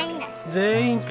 全員か。